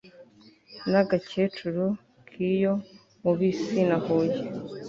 n'agacyecuru k'iyo mu bisi na huye